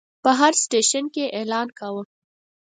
په هر سټیشن کې یې اعلان کاوه.